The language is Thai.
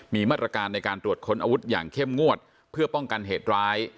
มีมาตรการในการตรวจค้นอาวุธอย่างเข้มงวดเพื่อป้องกันเหตุร้าย